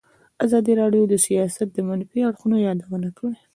ازادي راډیو د سیاست د منفي اړخونو یادونه کړې.